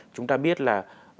chúng ta biết là